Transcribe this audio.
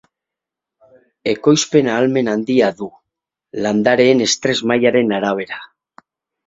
Ekoizpen ahalmen handia du, landareen estres mailaren arabera.